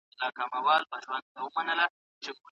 علم د واقعياتو ترمنځ منطقي تړاو نه لټوي؟